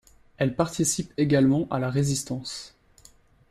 Elle participe également à la Résistance.